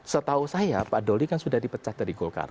setahu saya pak doli kan sudah dipecat dari golkar